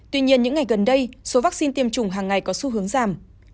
tuy nhiên những ngày gần đây số vaccine tiêm chủng hàng ngày có xu hướng giảm